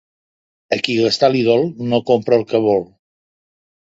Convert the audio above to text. A qui gastar li dol no compra el que vol.